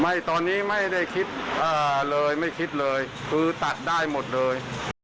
ตอนนี้ไม่ได้คิดเลยไม่คิดเลยคือตัดได้หมดเลย